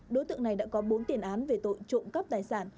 đối tượng này đã có bốn tiền án về tội trộm cắp tài sản